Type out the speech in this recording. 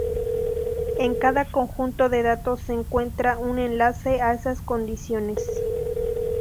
En cada conjunto de datos se encuentra un enlace a esas condiciones.